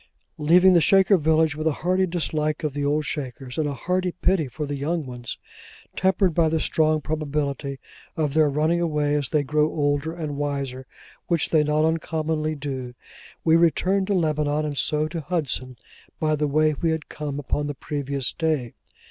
Leaving the Shaker village with a hearty dislike of the old Shakers, and a hearty pity for the young ones: tempered by the strong probability of their running away as they grow older and wiser, which they not uncommonly do: we returned to Lebanon, and so to Hudson, by the way we had come upon the previous day.